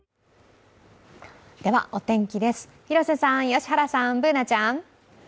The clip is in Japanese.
ではお天気です、広瀬さん、良原さん、Ｂｏｏｎａちゃん。